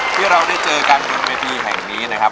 ที่เราได้เจอกันบนเวทีแห่งนี้นะครับ